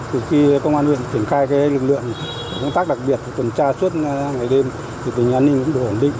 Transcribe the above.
từ khi công an huyện triển khai cái lực lượng công tác đặc biệt tuần tra suốt ngày đêm thì tình hình an ninh cũng đủ ổn định